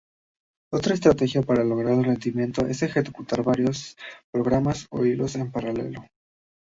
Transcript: Otra estrategia para lograr el rendimiento es ejecutar varios programas o hilos en paralelo.